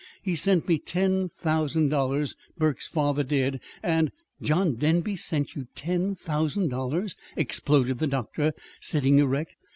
"He sent me ten thousand dollars Burke's father did; and " "John Denby sent you ten thousand dollars!" exploded the doctor, sitting erect.